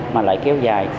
mà lại kéo dài